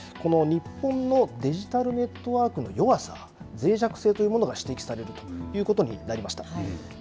この日本のデジタルネットワークの弱さぜい弱性というものが指摘されるということになりました。